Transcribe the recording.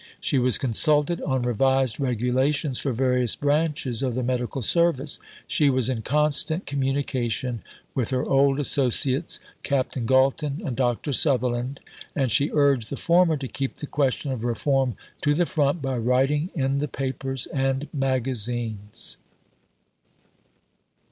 She was consulted on revised regulations for various branches of the medical service. She was in constant communication with her old associates, Captain Galton and Dr. Sutherland, and she urged the former to keep the question of reform to the front by writing in the papers and magazines.